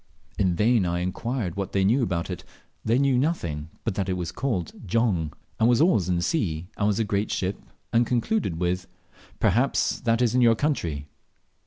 In vain I inquired what they knew about it; they knew nothing but that it was called "Jong," and was always in the sea, and was a very great ship, and concluded with, "Perhaps that is your country?"